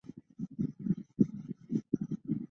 十万大山瓜馥木